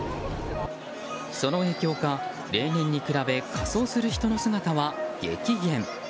その影響か、例年に比べ仮装する人の姿は激減。